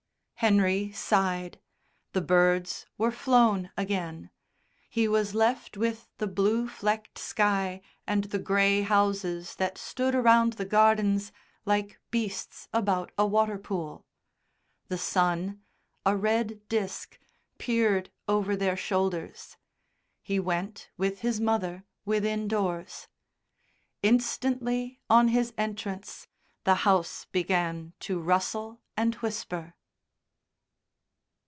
Henry sighed. The birds were flown again. He was left with the blue flecked sky and the grey houses that stood around the gardens like beasts about a water pool. The sun (a red disc) peered over their shoulders. He went, with his mother within doors. Instantly on his entrance the house began to rustle and whisper.